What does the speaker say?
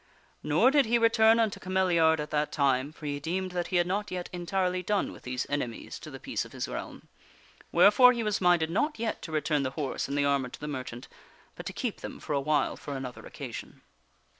Nor did he return unto Cameliard at that time, for he deemed that he had not yet entirely done with these enemies to the peace of his realm, wherefore he was minded not yet to return the horse and the armor to the merchant, but to keep them for a while for another occasion.